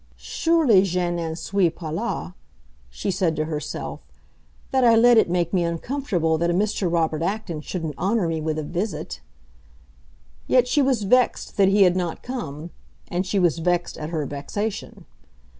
"Surely je n'en suis pas là," she said to herself, "that I let it make me uncomfortable that a Mr. Robert Acton shouldn't honor me with a visit!" Yet she was vexed that he had not come; and she was vexed at her vexation.